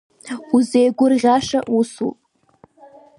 Узеигәырӷьаша усуп.